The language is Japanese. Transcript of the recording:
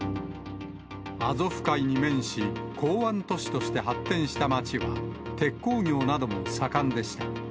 アゾフ海に面し、港湾都市として発展した街は、鉄鋼業なども盛んでした。